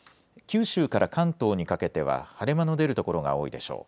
九州から関東にかけては晴れ間の出る所が多いでしょう。